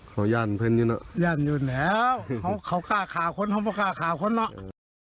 เขาย่านเพื่อนอยู่เนอะย่านอยู่แล้วเขาเขากล้าขาวคนเขาไม่กล้าขาวคนเนอะ